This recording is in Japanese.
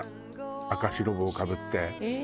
赤白帽かぶって。